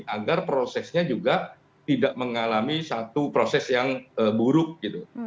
agar prosesnya juga tidak mengalami satu proses yang buruk gitu